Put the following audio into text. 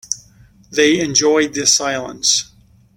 They enjoyed the silence.